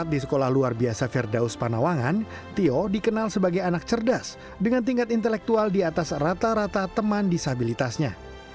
di sekolah luar biasa firdaus panawangan tio dikenal sebagai anak cerdas dengan tingkat intelektual di atas rata rata teman disabilitasnya